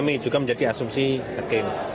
ini juga menjadi asumsi hakim